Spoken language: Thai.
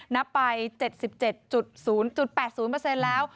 นับไป๗๗๐๘๐แล้ว